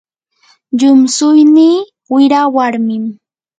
llumtsuynii wira warmim.